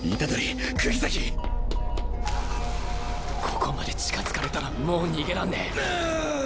ここまで近づかれたらもう逃げらんねぇんん！